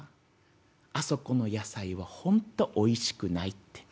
あそこの野菜は本当おいしくないって」。